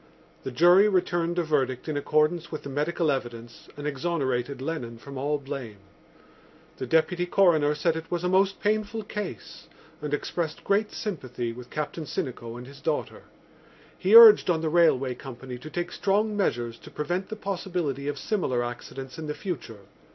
The jury returned a verdict in accordance with the medical evidence and exonerated Lennon from all blame. The Deputy Coroner said it was a most painful case, and expressed great sympathy with Captain Sinico and his daughter. He urged on the railway company to take strong measures to prevent the possibility of similar accidents in the future.